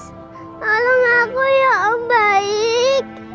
tolong aku ya allah baik